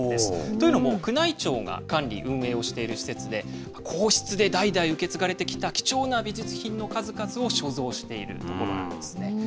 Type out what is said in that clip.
というのも、宮内庁が管理・運営をしている施設で、皇室で代々受け継がれてきた貴重な美術品の数々を所蔵している所なんですね。